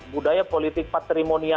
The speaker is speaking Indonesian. budaya politik patrimonial